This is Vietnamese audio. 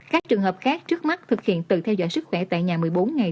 các trường hợp khác trước mắt thực hiện tự theo dõi sức khỏe tại nhà một mươi bốn ngày